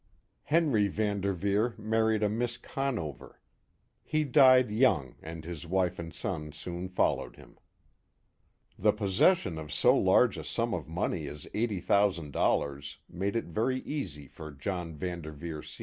Henry Van Derveer married a Miss Conover. He died young, and his wife and son soon followed him. The possession of so large a sum of money as eighty thousand dollars made it very easy for John Van Derveer, Sr.